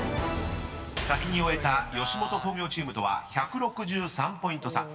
［先に終えた吉本興業チームとは１６３ポイント差］